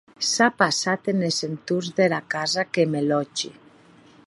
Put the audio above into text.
S’a passat enes entorns dera casa que me lòtgi.